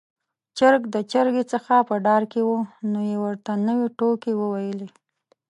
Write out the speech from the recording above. چرګ د چرګې څخه په ډار کې و، نو يې ورته نوې ټوکې وويلې.